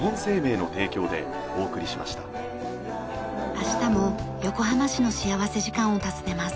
明日も横浜市の幸福時間を訪ねます。